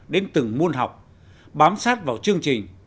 đến từng môn học bám sát vào chương trình